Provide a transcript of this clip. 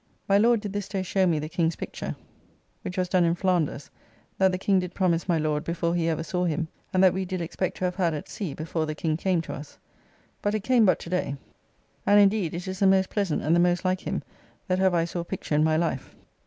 My Lord did this day show me the King's picture, which was done in Flanders, that the King did promise my Lord before he ever saw him, and that we did expect to have had at sea before the King came to us; but it came but to day, and indeed it is the most pleasant and the most like him that ever I saw picture in my life.